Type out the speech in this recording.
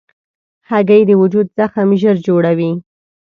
هګۍ د وجود زخم ژر جوړوي.